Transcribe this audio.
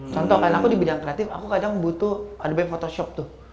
contoh kan aku di bidang kreatif aku kadang butuh ada bab photoshop tuh